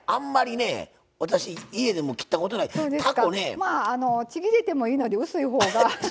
まあちぎれてもいいので薄いほうが。